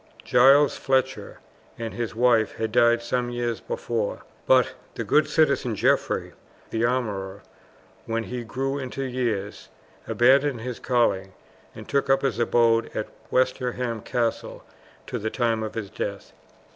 Giles Fletcher and his wife had died some years before, but the good citizen Geoffrey the armourer, when he grew into years, abandoned his calling, and took up his abode at Westerham Castle to the time of his death.